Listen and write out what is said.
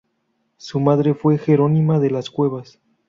Su madre fue Jerónima de las Cuevas.